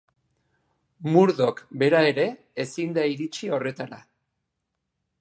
Murdoch bera ere ezin da iritsi horretara.